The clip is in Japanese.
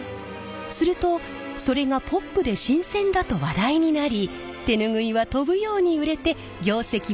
するとそれがポップで新鮮だと話題になり手ぬぐいは飛ぶように売れて業績も右肩上がり！